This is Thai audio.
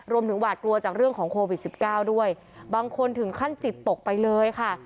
หวาดกลัวจากเรื่องของโควิด๑๙ด้วยบางคนถึงขั้นจิตตกไปเลยค่ะ